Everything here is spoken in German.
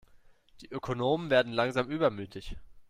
Die Ökonomen werden langsam übermütig.